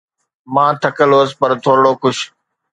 مان ٿڪل هئس پر ٿورڙو خوش.